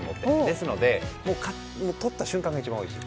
ですのでとった瞬間が一番おいしい。